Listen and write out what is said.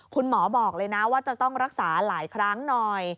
คุณหมอบอกเลยนะว่าจะต้องรักษาหลายครั้งหน่อย